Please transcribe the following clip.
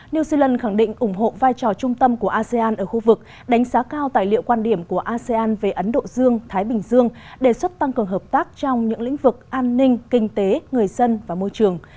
new zealand khẳng định ủng hộ vai trò trung tâm của asean ở khu vực đánh giá cao tài liệu quan điểm của asean về ấn độ dương thái bình dương đề xuất tăng cường hợp tác trong những lĩnh vực an ninh kinh tế người dân và môi trường